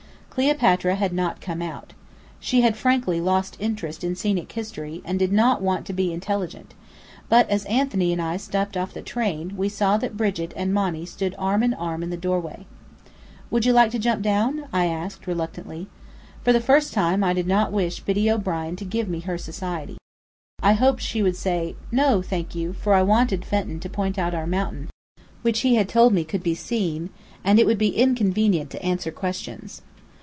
Cleopatra had not come out. She had frankly lost interest in scenic history, and did not want to be intelligent: but as Anthony and I stepped off the train, we saw that Brigit and Monny stood arm in arm in the doorway. "Would you like to jump down?" I asked, reluctantly. For the first time I did not wish Biddy O'Brien to give me her society. I hoped she would say "No, thank you," for I wanted Fenton to point out our mountain (which he had told me could be seen): and it would be inconvenient to answer questions.